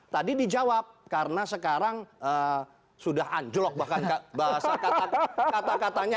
tadi dijawab karena sekarang sudah anjlok bahkan bahasa kata katanya